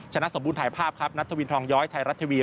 ชนะสมบูรณ์ถ่ายภาพนัทวินทรองย้อยไทยรัฐทวีย์